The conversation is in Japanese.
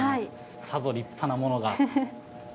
さぞ立派なものが。